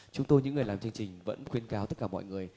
chúng tôi những người làm chương trình vẫn khuyến cáo tất cả mọi người